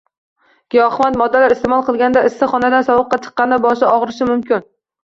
Giyohvand moddalar iste’mol qilganda, issiq xonadan sovuqqa chiqqanda boshi og‘rishi mumkin.